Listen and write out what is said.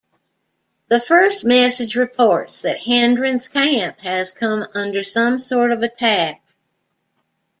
The first message reports that Hendron's camp has come under some sort of attack.